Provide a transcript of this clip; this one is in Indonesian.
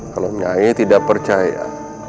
kalau nyai tidak percaya